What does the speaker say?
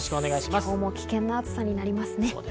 今日も危険な暑さになりますね。